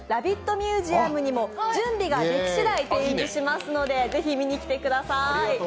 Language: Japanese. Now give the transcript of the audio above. ミュージアムにも準備ができしだい展示いたしますので是非、お越しください。